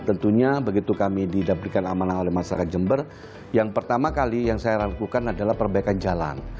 dan tentunya begitu kami didapurkan amanah oleh masyarakat jember yang pertama kali yang saya rangkukan adalah perbaikan jalan